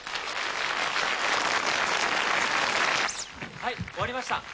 はい終わりました。